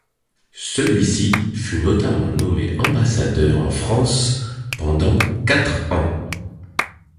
Celui-ci fut notamment nommé Ambassadeur en France pendant quatre ans.